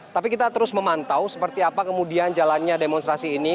tapi kita terus memantau seperti apa kemudian jalannya demonstrasi ini